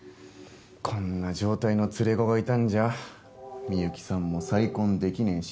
こんな状態の連れ子がいたんじゃ深雪さんも再婚できねえし。